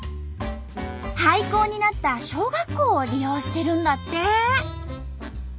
廃校になった小学校を利用してるんだって。